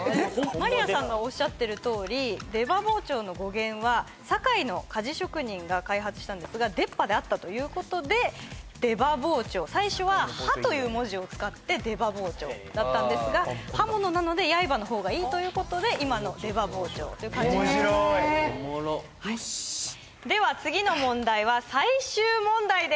マリアさんがおっしゃってるとおり出刃包丁の語源は堺の鍛冶職人が開発したんですが出っ歯であったということで出刃包丁最初は歯という文字を使って出歯包丁だったんですが刃物なので刃の方がいいということで今の出刃包丁という漢字になった面白いおもろっでは・はい・はい！